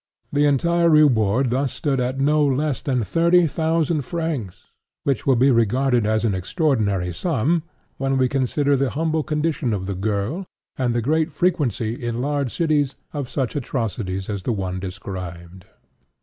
The entire reward thus stood at no less than thirty thousand francs, which will be regarded as an extraordinary sum when we consider the humble condition of the girl, and the great frequency, in large cities, of such atrocities as the one described.